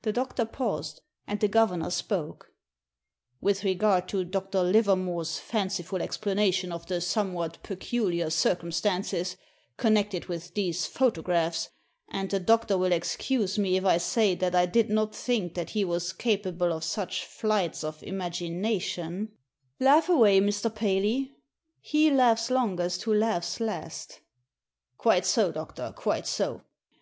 The doctor paused, and the governor spoke. " With regard to Dr. Livermore's fanciful explana tion of the somewhat peculiar circumstances con nected with these photographs — and the doctor will excuse me if I say that I did not think that he was capable of such flights of imagination *' D Digitized by VjOOQIC 34 THE SEEN AND THE UNSEEN "Laugh away, Mr. Paley! *He laughs longest who laughs last'" " Quite so, doctor, quite so